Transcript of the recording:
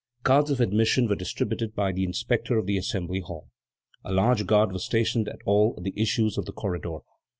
Cards of admission were distributed by the inspector of the Assembly hall. A large guard was stationed at all the issues of the corridor.